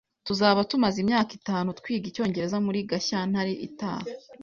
Tuzaba tumaze imyaka itanu twiga icyongereza muri Gashyantare itaha